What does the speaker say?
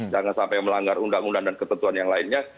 jangan sampai melanggar undang undang dan ketentuan yang lainnya